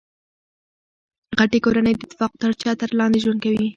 غټۍ کورنۍ د اتفاق تر چتر لاندي ژوند کیي.